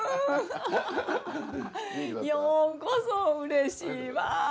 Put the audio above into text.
ようこそうれしいわ。